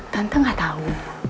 tante gak tau